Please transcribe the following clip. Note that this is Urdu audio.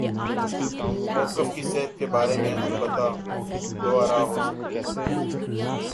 موقف کی صحت کے بارے میں البتہ دو آرا ہو سکتی ہیں۔